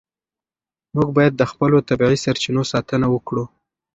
موږ باید د خپلو طبیعي سرچینو ساتنه وکړو.